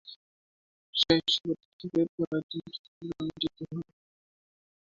সেই সুবাদে তাকে পরেরদিন চট্টগ্রাম যেতে হবে।